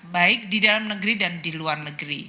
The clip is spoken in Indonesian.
baik di dalam negeri dan di luar negeri